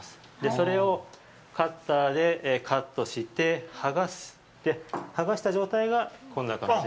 それをカッターでカットして、剥がして、剥がした状態が、こんな感じ。